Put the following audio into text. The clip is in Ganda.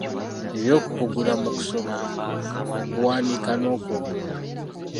Eby’okukugula mu Okusoma, Okuwandiika , N’okwogera